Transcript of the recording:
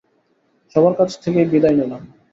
সবার কাছ থেকেই বিদায় নিলাম।